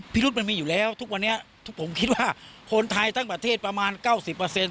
รุธมันมีอยู่แล้วทุกวันนี้ผมคิดว่าคนไทยทั้งประเทศประมาณเก้าสิบเปอร์เซ็นต